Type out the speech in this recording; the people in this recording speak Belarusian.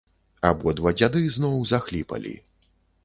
Абодва дзяды зноў захліпалі.